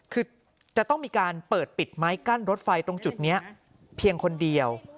คือจะต้องมีการเปิดปิดไม้กั้นรถไฟตรงจุดนี้เพียงคนเดียว